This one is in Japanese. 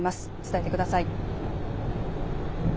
伝えてください。